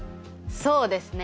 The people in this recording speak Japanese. そうですね！